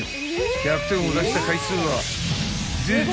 ［１００点を出した回数は出た！